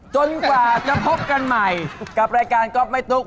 จนกว่าจะพบกันใหม่กับรายการก๊อบแม่ตุ๊ก